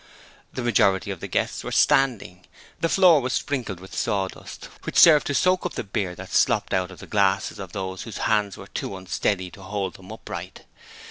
The majority of the guests were standing. The floor was sprinkled with sawdust which served to soak up the beer that slopped out of the glasses of those whose hands were too unsteady to hold them upright.